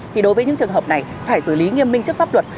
thì đối với những trường hợp này phải xử lý nghiêm minh trước pháp luật